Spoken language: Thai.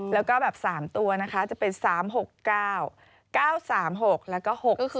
แล้วก็แบบ๓ตัวนะคะจะเป็น๓๖๙๙๓๖แล้วก็๖๐